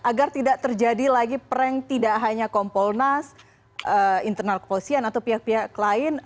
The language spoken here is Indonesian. agar tidak terjadi lagi prank tidak hanya kompolnas internal kepolisian atau pihak pihak lain